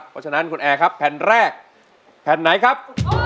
เพราะฉะนั้นคุณแอร์ครับแผ่นแรกแผ่นไหนครับ